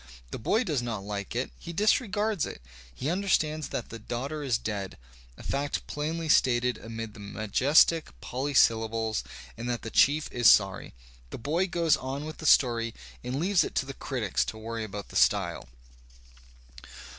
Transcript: The boy does not like it, he disregards it. . He understands that the daughter is dead, a fact plainly stated amid the majestic polysyllables, and that the chief is sorry. The boy goes on with the story and leaves it to the critics to worry about the style.